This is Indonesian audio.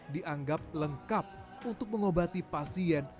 dianggap lengkap untuk mengobati pasien